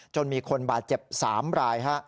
จนมีคนบาดเจ็บ๓ราย